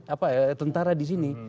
apa tentara di sini